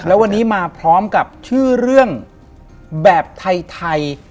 แล้ววันนี้มาพร้อมกับชื่อเรื่องแบบไทย